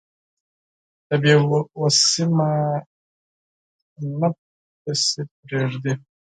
دا بې وسي مي نه پسې پرېږدي